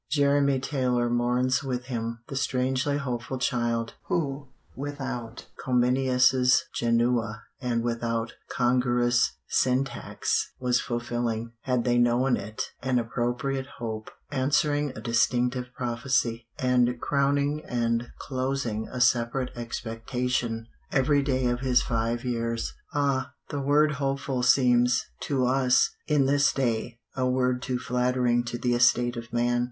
Jeremy Taylor mourns with him "the strangely hopeful child," who without Comenius's "Janua" and without congruous syntax was fulfilling, had they known it, an appropriate hope, answering a distinctive prophecy, and crowning and closing a separate expectation every day of his five years. Ah! the word "hopeful" seems, to us, in this day, a word too flattering to the estate of man.